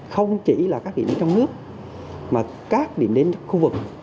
không chỉ là các điểm trong nước mà các điểm đến khu vực